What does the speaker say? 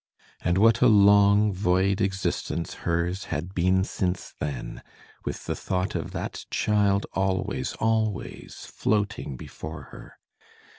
And what a long, void existence hers had been since then, with the thought of that child always, always floating before her.